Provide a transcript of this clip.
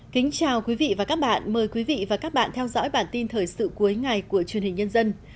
chào các bạn mời quý vị và các bạn theo dõi bản tin thời sự cuối ngày của truyền hình nhân dân